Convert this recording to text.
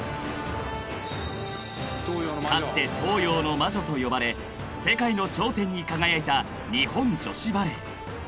［かつて東洋の魔女と呼ばれ世界の頂点に輝いた日本女子バレー］